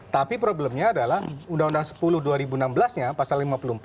jadi problemnya adalah undang undang sepuluh dua ribu enam belas nya pasal lima puluh empat